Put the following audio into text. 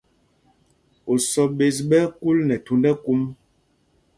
Osɔ́ ɓēs ɓɛ́ ɛ́ kúl nɛ thūnd ɛkúm.